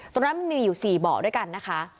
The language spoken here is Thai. ตรงนั้นมันมีอยู่๔บ่อด้วยกันนะคะ